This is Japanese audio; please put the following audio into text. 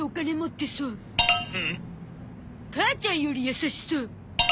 母ちゃんより優しそう。